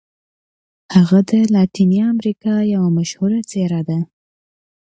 هغه د لاتیني امریکا یوه مشهوره څیره ده.